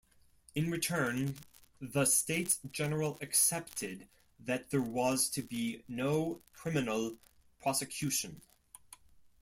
In return, the States-General accepted that there was to be no criminal prosecution.